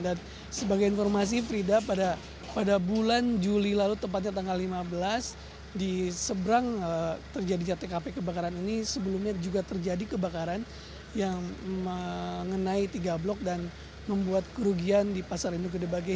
dan sebagai informasi frida pada bulan juli lalu tepatnya tanggal lima belas di seberang terjadi jatik api kebakaran ini sebelumnya juga terjadi kebakaran yang mengenai tiga blok dan membuat kerugian di pasar indogedebagi